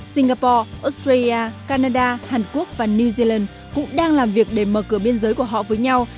singapore australia canada hàn quốc và new zealand cũng đang làm việc để mở cửa biên giới của họ với nhau